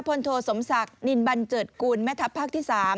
โทสมศักดิ์นินบันเจิดกุลแม่ทัพภาคที่๓